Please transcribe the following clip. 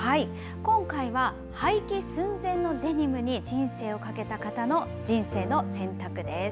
今回は廃棄寸前のデニムに人生を賭けた方の人生の選択です。